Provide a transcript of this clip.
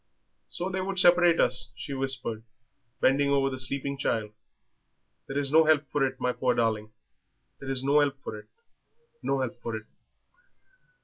"So they would separate us," she whispered, bending over the sleeping child. "There is no help for it, my poor darling. There's no help for it, no help for it."